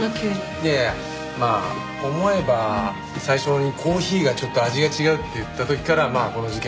いやいやまあ思えば最初にコーヒーがちょっと味が違うって言った時からまあこの事件